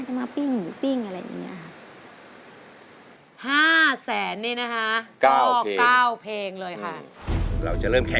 มาปิ้งหมูปิ้งอะไรอย่างนี้ค่ะ